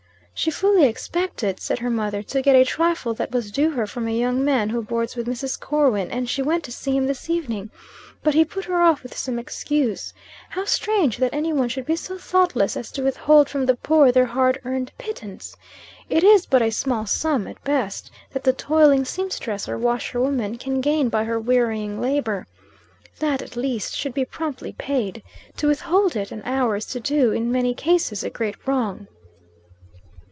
"'She fully expected,' said the mother, 'to get a trifle that was due her from a young man who boards with Mrs. Corwin; and she went to see him this evening. But he put her off with some excuse. How strange that any one should be so thoughtless as to withhold from the poor their hard earned pittance! It is but a small sum, at best, that the toiling seamstress or washerwoman can gain by her wearying labor. That, at least, should be promptly paid. To withhold it an hour is to do, in many cases, a great wrong.'